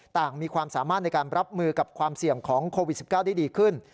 ต่างมีความสามารถในการรับมือกับความเสี่ยงของโควิด๑๙ได้ดีขึ้น